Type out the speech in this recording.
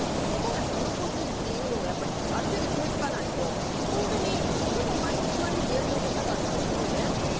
ここは残すっていうのをある程度、決めておかないと本当にいつも毎日、毎日やり残した感になりますもんね。